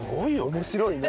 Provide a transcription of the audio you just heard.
面白いね。